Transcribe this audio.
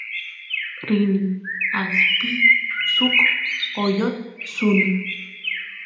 rini aspiy suk oyot suni